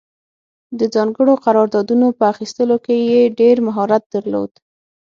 د ځانګړو قراردادونو په اخیستلو کې یې ډېر مهارت درلود.